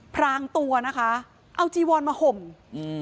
พรางตัวนะคะเอาจีวอนมาห่มอืม